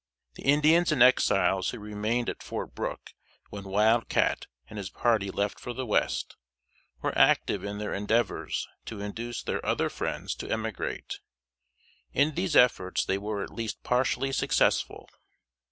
The Indians and Exiles who remained at Fort Brooke when Wild Cat and his party left for the West, were active in their endeavors to induce their other friends to emigrate. In these efforts they were at least partially successful.